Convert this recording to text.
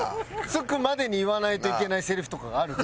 着くまでに言わないといけないせりふとかがあるんです。